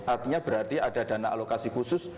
artinya berarti ada dana alokasi khusus